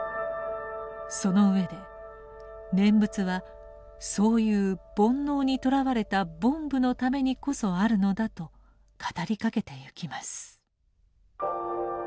その上で念仏はそういう煩悩にとらわれた「凡夫」のためにこそあるのだと語りかけてゆきます。